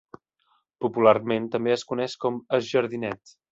Popularment també es coneix com es Jardinet.